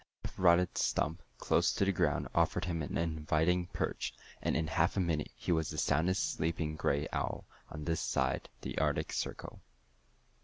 A half rotted stump, close to the ground, offered him an inviting perch, and in half a minute he was the soundest sleeping gray owl on this side the Arctic Circle.